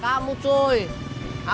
ini jam kedua ya